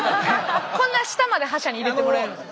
こんな下まで覇者に入れてもらえるんですか？